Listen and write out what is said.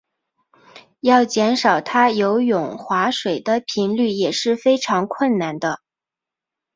要减少他游泳划水的频率也是非常困难的。